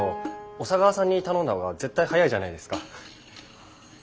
小佐川さんに頼んだほうが絶対早いじゃないですか。